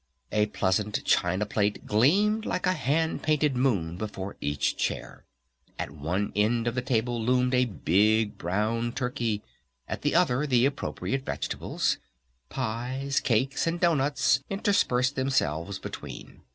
A pleasant china plate gleamed like a hand painted moon before each chair. At one end of the table loomed a big brown turkey; at the other, the appropriate vegetables. Pies, cakes, and doughnuts, interspersed themselves between.